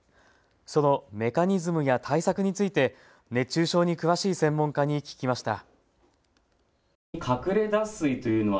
そのメカニズムや対策について熱中症に詳しい専門家に聞きました。